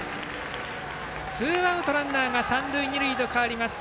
ツーアウトランナー、三塁二塁と変わります。